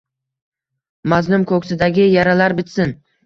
Mazlum ko’ksidagi yaralar bitsin.